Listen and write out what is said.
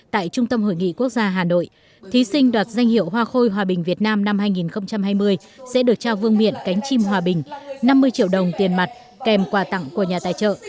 tại trung tâm hội nghị quốc gia hà nội thí sinh đoạt danh hiệu hoa khôi hòa bình việt nam năm hai nghìn hai mươi sẽ được trao vương miện cánh chim hòa bình năm mươi triệu đồng tiền mặt kèm quà tặng của nhà tài trợ